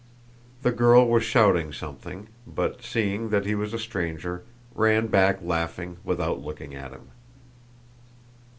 The girl was shouting something but, seeing that he was a stranger, ran back laughing without looking at him.